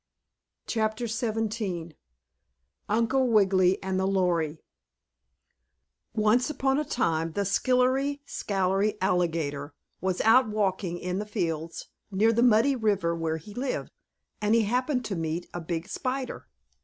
CHAPTER XVII UNCLE WIGGILY AND THE LORY Once upon a time the skillery scalery alligator was out walking in the fields near the muddy river where he lived, and he happened to meet a big spider.